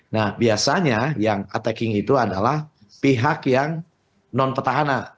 nah biasanya yang attacking itu adalah pihak yang non petahana